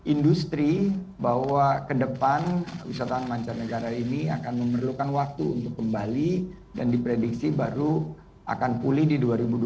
industri bahwa kedepan wisatawan mancanegara ini akan memerlukan waktu untuk kembali dan diprediksi baru akan pulih di dua ribu dua puluh empat dua ribu dua puluh lima